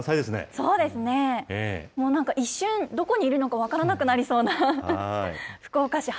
そうですね、もうなんか、一瞬、どこにいるのか分からなくなりそうな。